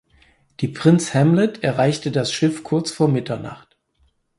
Die "Prinz Hamlet" erreichte das Schiff kurz vor Mitternacht.